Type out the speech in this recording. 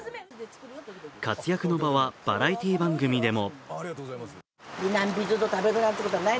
活躍の場はバラエティー番組でも。